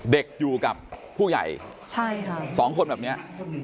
เด็กอยู่กับผู้ใหญ่สองคนแบบเนี่ย